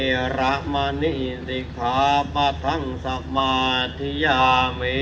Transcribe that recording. อธินาธาเวระมะนิสิขาปะทังสมาธิยามี